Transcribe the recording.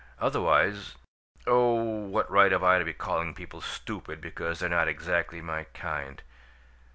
Otherwise Oh, what right have I to be calling people 'stupid' because they're not exactly my kind?